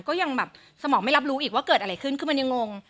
ก็ยังแบบสมองไม่รับรู้อีกว่าเกิดอะไรขึ้นคือมันยังงง